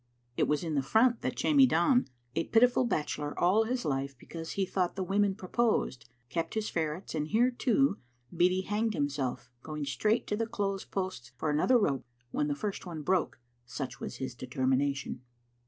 It was in the front that Jamie Don, a pitiful bachelor all his life because he thought the women proposed, kept his ferrets, and here, too, Beattie hanged himself, going straight to the clothes posts for another rope when the first one broke, such was his determination.